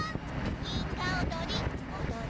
銀河おどりおどる？